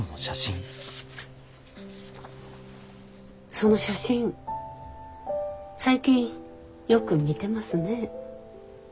その写真最近よく見てますね。